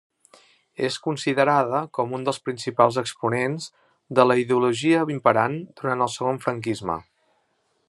És considerada com un dels principals exponents de la ideologia imperant durant el segon franquisme.